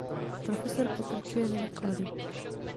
Profesor pokračuje ve výkladu.